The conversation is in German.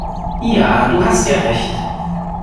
Ja, du hast ja Recht!